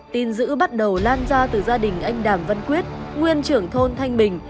tin giữ bắt đầu lan ra từ gia đình anh đàm văn quyết nguyên trưởng thôn thanh bình